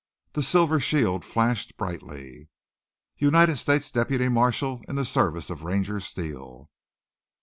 The silver shield flashed brightly. "United States deputy marshal in service of Ranger Steele!"